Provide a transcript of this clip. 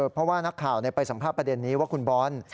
เพราะว่านักข่าวไปสัมภาพประเด็นนี้ว่าคุณบอล